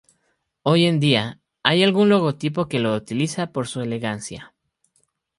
Hoy en día, hay algún logotipo que lo utiliza por su elegancia.